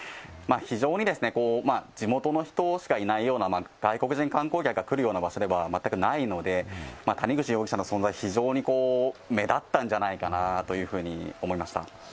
非常に地元の人しかいないような、外国人観光客が来るような場所では全くないので、谷口容疑者の存在、非常に目立ったんじゃないかなというふうに思いました。